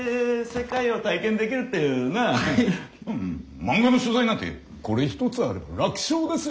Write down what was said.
漫画の取材なんてこれ１つあれば楽勝ですよ。